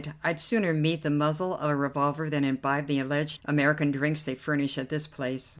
"I'd sooner meet the muzzle of a revolver than imbibe the alleged American drinks they furnish at this place.